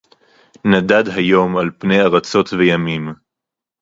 נָדַד הַיּוֹם עַל פְּנֵי אֲרָצוֹת וְיַמִּים